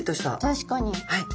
確かに。